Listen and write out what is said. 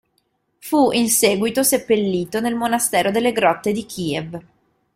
Fu in seguito seppellito nel Monastero delle Grotte di Kiev.